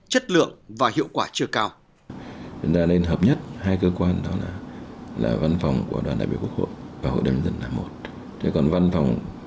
chất lượng và hiệu quả chưa cao